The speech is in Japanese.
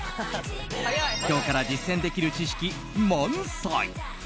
今日から実践できる知識満載。